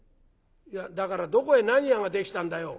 「いやだからどこへ何屋ができたんだよ？」。